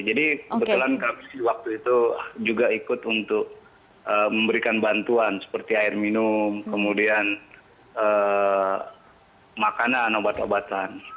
jadi kebetulan waktu itu juga ikut untuk memberikan bantuan seperti air minum kemudian makanan obat obatan